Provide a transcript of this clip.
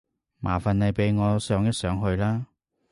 麻煩你俾我上一上去啦